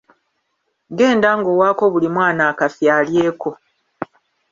Genda ng'owaako buli mwana akafi alyeko.